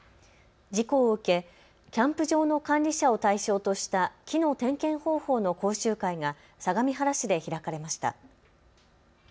事故を受けキャンプ場の管理者を対象とした木の点検方法の講習会が相模原市で開かれました。